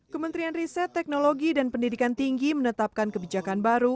kementerian riset teknologi dan pendidikan tinggi menetapkan kebijakan baru